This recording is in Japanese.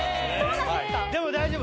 でも大丈夫！